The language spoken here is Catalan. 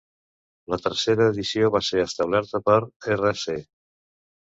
La tercera edició va ser establerta per R.c.